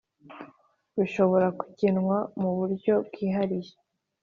bishobora kugenwa mu buryo bwihariye